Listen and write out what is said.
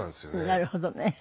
なるほどね。